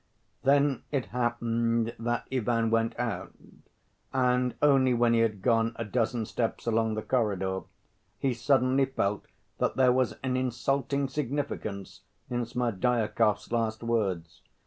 Then it happened that Ivan went out, and only when he had gone a dozen steps along the corridor, he suddenly felt that there was an insulting significance in Smerdyakov's last words.